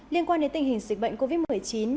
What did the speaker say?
liên quan đến tình hình dịch bệnh covid một mươi chín